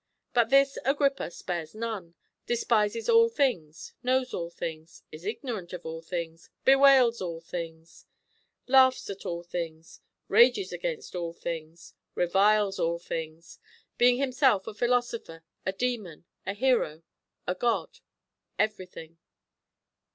But this Agrippa spares none, despises all things, knows all things, is ignorant of all things, bewails all things, laughs at all things, rages against all things, reviles all things, being himself a philosopher, a demon, a hero, a god, everything."